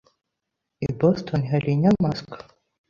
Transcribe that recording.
I Boston hari inyamanswa?